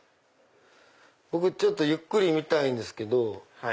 僕ちょっとゆっくり見たいんですけど。